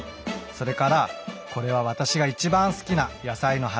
それからこれは私がいちばん好きな野菜の花。